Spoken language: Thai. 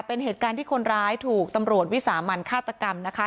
เป็นเหตุการณ์ที่คนร้ายถูกตำรวจวิสามันฆาตกรรมนะคะ